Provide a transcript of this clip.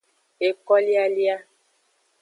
Ekolialia.